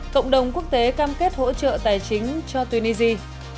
cộng đồng quốc tế cam kết hỗ trợ tài chính cho tunisia